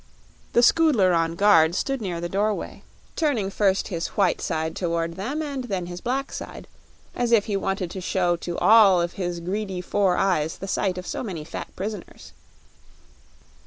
The Scoodler on guard stood near the doorway, turning first his white side toward them and then his black side, as if he wanted to show to all of his greedy four eyes the sight of so many fat prisoners.